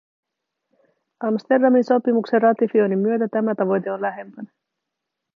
Amsterdamin sopimuksen ratifioinnin myötä tämä tavoite on lähempänä.